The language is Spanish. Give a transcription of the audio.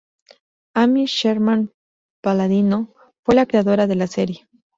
Amy Sherman-Palladino fue la creadora de la serie.